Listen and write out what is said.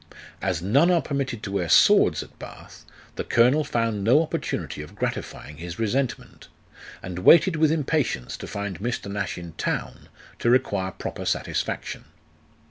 As none are permitted to wear swords at Bath, the colonel found no opportunity of gratifying his resentment, and waited with impatience to find Mr. Nash in town, to require proper satisfaction.